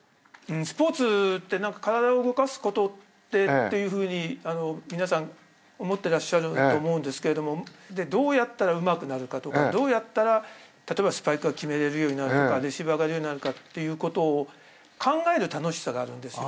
スポーツって体動かすことでっていうふうに皆さん思ってらっしゃると思うんですけれどもどうやったらうまくなるかとかどうやったら例えばスパイクが決めれるようになるとかレシーブ上がるようになるかっていうことを考える楽しさがあるんですよ。